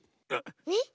えっ？